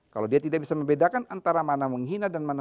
kalau dia tidak bisa membedakan antara mana menghina dan mana